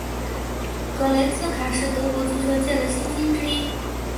格雷茨卡是德国足球界的新星之一。